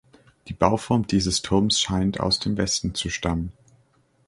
Die Bauform dieses Turms scheint aus dem Westen zu stammen.